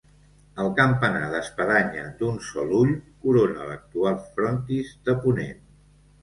El campanar d'espadanya d'un sol ull corona l'actual frontis de ponent.